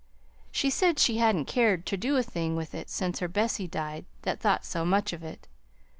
She said she hadn't cared ter do a thing with it since her Bessie died that thought so much of it.